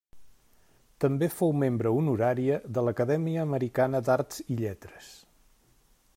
També fou Membre Honorària de l'Acadèmia Americana d'Arts i Lletres.